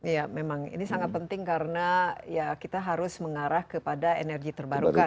ya memang ini sangat penting karena ya kita harus mengarah kepada energi terbarukan